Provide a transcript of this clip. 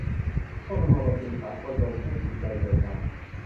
ท่วงทำนองดนตรีสากลดลให้จิตใจเบิกบาน